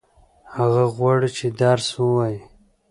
هغه غواړي چې درس ووايي.